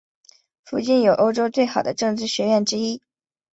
附近有欧洲最好的政治学院之一。